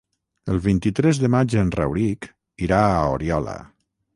El vint-i-tres de maig en Rauric irà a Oriola.